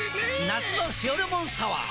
夏の「塩レモンサワー」！